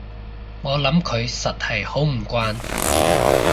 我諗佢實係好唔慣